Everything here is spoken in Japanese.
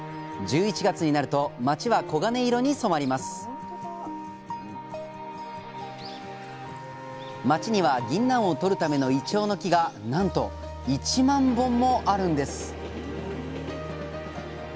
１１月になると町は黄金色に染まります町にはぎんなんをとるためのイチョウの木がなんと１万本もあるんです